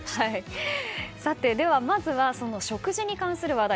ではまずは食事に関する話題。